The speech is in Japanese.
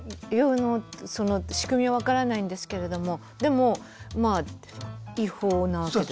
あのその仕組みは分からないんですけれどもでもまあ違法なわけですよね。